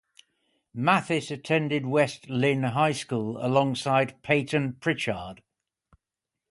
Mathis attended West Linn High School alongside Payton Pritchard.